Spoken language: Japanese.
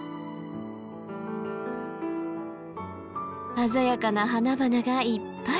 鮮やかな花々がいっぱい。